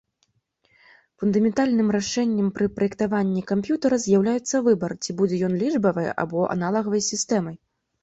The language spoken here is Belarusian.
Фундаментальным рашэннем пры праектаванні камп'ютара з'яўляецца выбар, ці будзе ён лічбавай або аналагавай сістэмай.